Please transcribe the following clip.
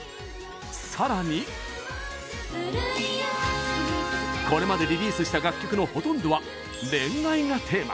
さらにこれまでリリースした楽曲のほとんどは、恋愛がテーマ。